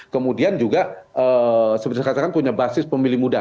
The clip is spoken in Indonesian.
kemudian juga seperti saya katakan punya basis pemilih muda